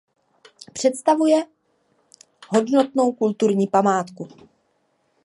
Představuje hodnotnou kulturní památku.